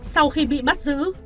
sau khi bị bắt giữ